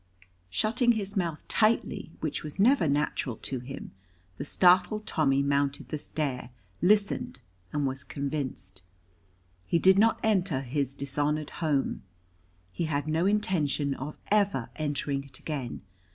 Shutting his mouth tightly; which was never natural to him, the startled Tommy mounted the stair, listened and was convinced. He did not enter his dishonored home. He had no intention of ever entering it again.